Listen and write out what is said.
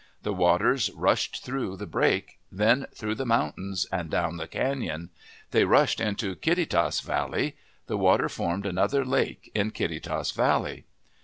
The waters rushed through the break, then through the mountains and down the canon. They rushed into Kittitas Valley. The water formed another lake in Kittitas Valley.